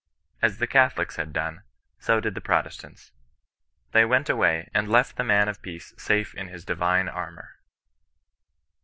As the Catholics had done, so did the Protestants ; they went away, and left the man of peace safe in his divine armour.